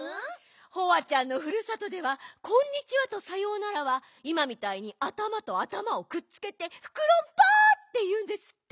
ホワちゃんのふるさとでは「こんにちは」と「さようなら」はいまみたいにあたまとあたまをくっつけて「フクロンパ！」っていうんですって。